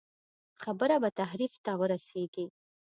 خبره به تحریف ته ورسېږي.